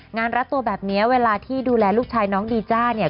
รัดตัวแบบนี้เวลาที่ดูแลลูกชายน้องดีจ้าเนี่ย